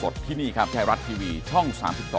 ถูกต้อง